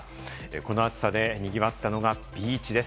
この暑さで賑わったのがビーチです。